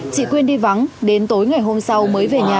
chị quyên đi vắng đến tối ngày hôm sau mới về nhà